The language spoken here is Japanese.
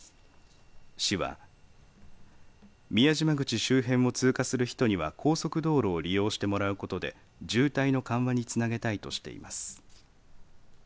市は宮島口周辺を通過する人には高速道路を利用してもらうことで渋滞の緩和につなげたいとしています。